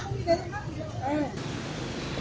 giá cũng như thế